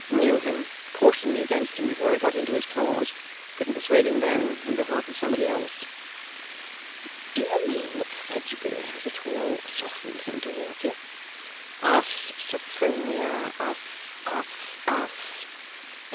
'Knew him. Cautioned me against him before I got into his claws. Couldn't persuade him then, in behalf of somebody else.' 'Do you mean that Fledgeby has at all softened him towards you?' 'Us, Sophronia. Us, us, us.